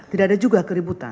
tidak ada juga keributan